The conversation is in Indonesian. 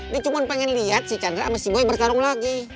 dia cuma pengen lihat si chandra masih boy bertarung lagi